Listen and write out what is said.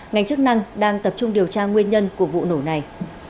ngành chức năng đang tập trung điều tra nguyên nhân của vụ nổ này